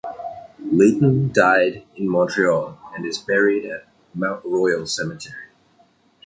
Layton died in Montreal and is buried at Mount Royal Cemetery.